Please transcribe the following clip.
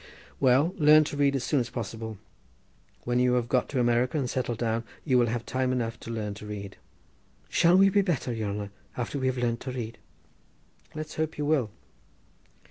"Well, learn to read as soon as possible. When you have got to America and settled down you will have time enough to learn to read." "Shall we be better, yere hanner, after we have learnt to read?" "Let's hope you will."